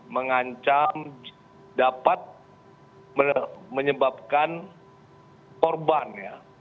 mengancam dapat menyebabkan korban ya